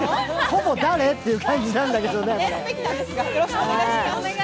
ほぼ、誰？という感じなんだけどね。